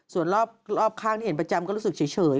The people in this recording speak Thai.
ส่วนรอบข้างที่เห็นประจำก็รู้สึกเฉย